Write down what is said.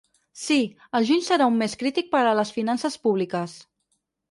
Sí, el juny serà un mes crític per a les finances públiques.